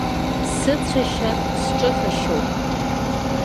Сыцәашьа сҿыхашьоуп.